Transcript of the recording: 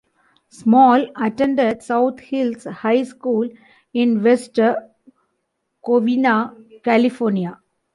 Small attended South Hills High School in West Covina, California.